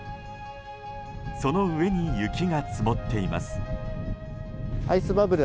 その上に雪が積もっています。